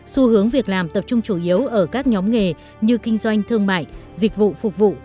xu hướng việc làm tập trung chủ yếu ở các nhóm nghề như kinh doanh thương mại dịch vụ phục vụ